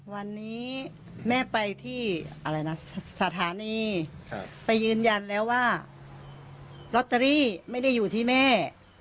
วันนี้แม่ไปที่อะไรนะสถานีไปยืนยันแล้วว่าลอตเตอรี่ไม่ได้อยู่ที่แม่